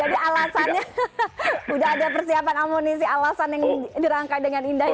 jadi alasannya sudah ada persiapan amunisi alasan yang dirangkai dengan indah itu